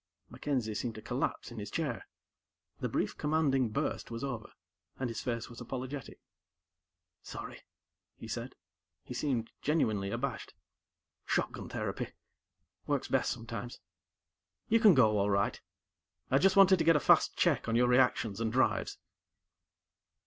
MacKenzie seemed to collapse in his chair. The brief commanding burst was over, and his face was apologetic, "Sorry," he said. He seemed genuinely abashed. "Shotgun therapy. Works best, sometimes. You can go, all right; I just wanted to get a fast check on your reactions and drives."